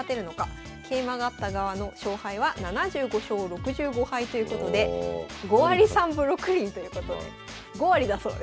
桂馬があった側の勝敗は７５勝６５敗ということで５割３分６厘ということで５割だそうです。